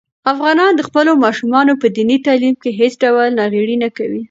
افغانان د خپلو ماشومانو په دیني تعلیم کې هېڅ ډول ناغېړي نه کوي.